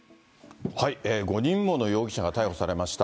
５人もの容疑者が逮捕されました。